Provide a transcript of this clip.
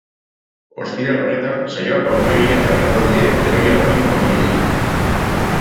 Ostiral honetan saioak aurpegia jarriko die heroi anonimo horiei.